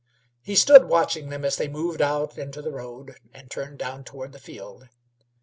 He stood watching them as they moved out into the road and turned down toward the field.